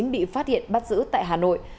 bị phát hiện bắt giữ tại hà nội